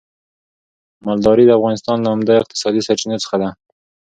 مالداري د افغانستان له عمده اقتصادي سرچينو څخه ده.